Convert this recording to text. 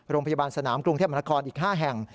โรงพยาบาลสนามกรุงเทพมนครอีก๕แห่ง